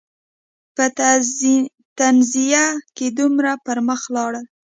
په تنزیه کې دومره پر مخ لاړل.